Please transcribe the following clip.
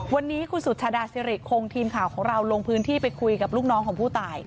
วันนี้คุณสุชาดาสิริคงทีมข่าวของเราลงพื้นที่ไปคุยกับลูกน้องของผู้ตาย